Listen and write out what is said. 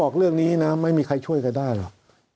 คุยกันหมดค่ะ